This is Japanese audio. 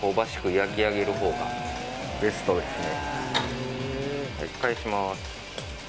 焼き上げる方がベストですね